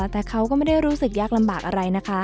แต่เขาก็ไม่ได้รู้สึกยากลำบากอะไรนะคะ